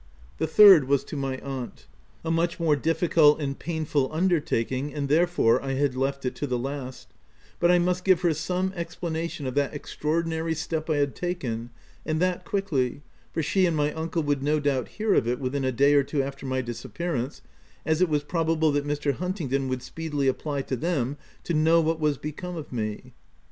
The third was to my aunt — a much more difficult and painful undertaking, and therefore I had left it to the last ; but T must give her some explanation of that extraordinary step I had taken, — and that quickly, for she and my uncle would no doubt hear of it within a day or two after my disappearance, as it was pro bable that Mr. Huntingdon would speedily apply to them to know what was become of me.